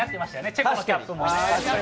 チェコのキャップもね。